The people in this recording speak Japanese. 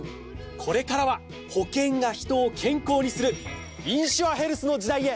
これからは保険が人を健康にするインシュアヘルスの時代へ！